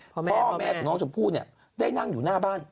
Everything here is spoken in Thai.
พ่อแม่ของน้องชมพู่เนี่ยได้นั่งอยู่หน้าบ้าน